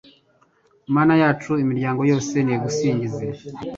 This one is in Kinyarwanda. Mana yacu imiryango yose nigusingize